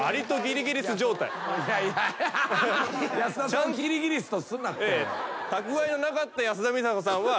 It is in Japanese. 安田さんをキリギリスとすんなって。